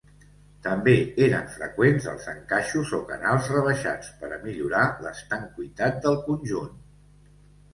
També eren freqüents els encaixos o canals rebaixats per a millorar l'estanquitat del conjunt.